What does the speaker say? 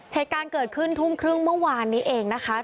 เหตุการณ์เกิดขึ้นทุ่มครึ่งเมื่อวานนี้เองนะคะ